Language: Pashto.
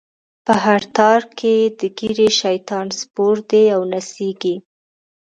په هر تار کی یی د ږیری، شیطان سپور دی او نڅیږی